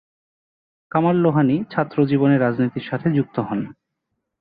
কামাল লোহানী ছাত্রজীবনে রাজনীতির সাথে যুক্ত হন।